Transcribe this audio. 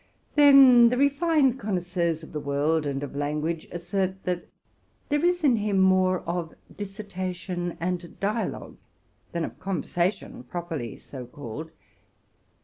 Then, the refined connoisseurs of the world and of language assert that there is in him more of dissertation and dialogue than of conversation, properly so called.